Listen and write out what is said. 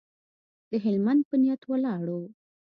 د هلمند په نیت ولاړو.